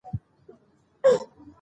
اولادونو ته حلال مال پریږدئ.